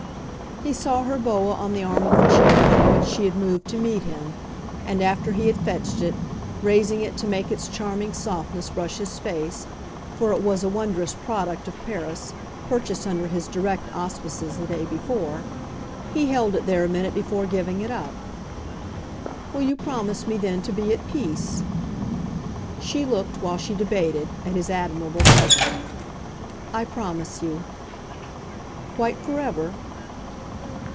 He saw her boa on the arm of the chair from which she had moved to meet him, and, after he had fetched it, raising it to make its charming softness brush his face for it was a wondrous product of Paris, purchased under his direct auspices the day before he held it there a minute before giving it up. "Will you promise me then to be at peace?" She looked, while she debated, at his admirable present. "I promise you." "Quite for ever?"